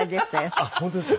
あっ本当ですか。